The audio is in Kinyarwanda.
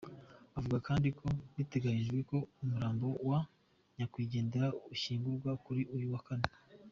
Avuga kandi ko biteganyijwe ko umurambo wa nyakwigendera ushyingurwa kuri uyu wa kane.